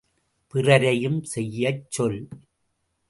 பிறரையும் செய்யச் சொல்!